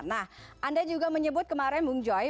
nah anda juga menyebut kemarin bung joy